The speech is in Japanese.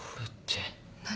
何？